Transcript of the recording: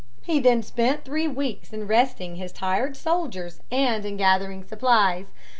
He then spent three weeks in resting his tired soldiers and in gathering supplies.